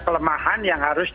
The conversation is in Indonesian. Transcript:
kelemahan yang harus